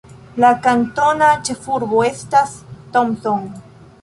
La kantona ĉefurbo estas Thomson.